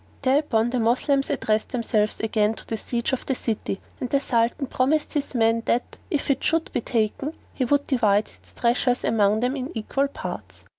Thereupon the Moslems addressed themselves again to the siege of the city and the Sultan promised his men that, if it should be taken, he would divide its treasures among them in equal parts.